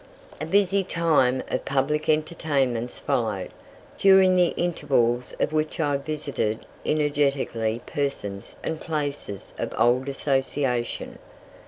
A busy time of public entertainments followed, during the intervals of which I visited energetically persons and places of old association.